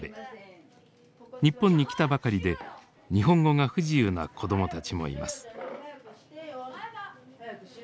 日本に来たばかりで日本語が不自由な子どもたちもいます。